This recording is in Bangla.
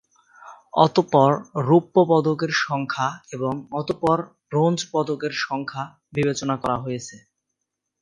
অতঃপর রৌপ্য পদকের সংখ্যা এবং অতঃপর ব্রোঞ্জ পদকের সংখ্যা বিবেচনা করা হয়েছে।